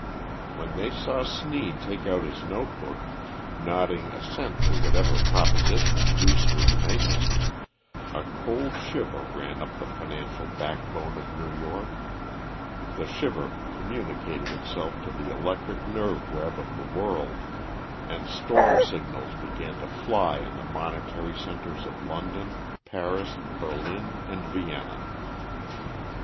When they saw Sneed take out his note book, nodding assent to whatever proposition Druce was making, a cold shiver ran up the financial backbone of New York; the shiver communicated itself to the electric nerve web of the world, and storm signals began to fly in the monetary centres of London, Paris, Berlin, and Vienna.